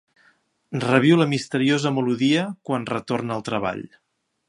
“Reviu la misteriosa melodia quan retorna al treball.